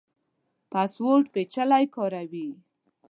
پاسورډ پیچلی کاروئ؟